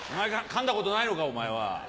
かんだことないのかお前は。